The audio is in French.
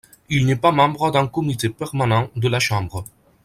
Il n'est pas membre d'un comité permanent de la Chambre.